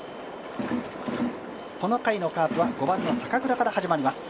この回のカープは５番の坂倉から始まります。